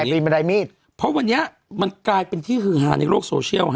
มีไฟมีเบนใดมีดเพราะวันนี้มันกลายเป็นที่หึงหาในโลกโซเชียลฮะ